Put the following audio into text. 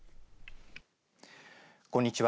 こんにちは。